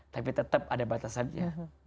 tapi tetap ada batasannya